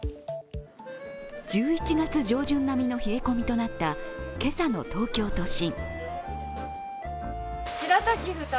１１月上旬並みの冷え込みとなった今朝の東京都心。